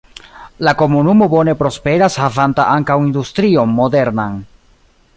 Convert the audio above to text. La komunumo bone prosperas havanta ankaŭ industrion modernan.